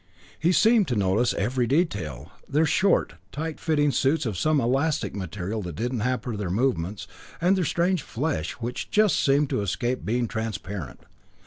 He seemed to notice every detail: their short, tight fitting suits of some elastic material that didn't hamper their movements, and their strange flesh, which just seemed to escape being transparent.